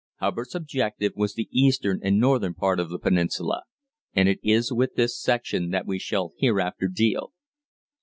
Hubbard's objective was the eastern and northern part of the peninsula, and it is with this section that we shall hereafter deal.